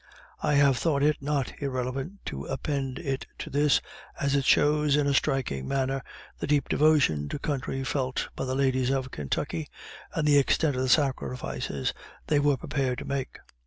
I have thought it not irrelevant to append it to this, as it shows, in a striking manner, the deep devotion to country felt by the ladies of Kentucky, and the extent of the sacrifices they were prepared to make.